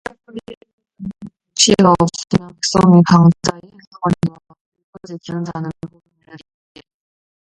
묵시가 없으면 백성이 방자히 행하거니와 율법을 지키는 자는 복이 있느니라